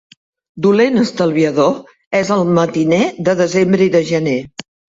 Dolent estalviador és el matiner de desembre i de gener.